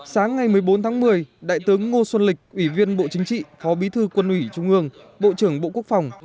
sáng ngày một mươi bốn tháng một mươi đại tướng ngô xuân lịch ủy viên bộ chính trị phó bí thư quân ủy trung ương bộ trưởng bộ quốc phòng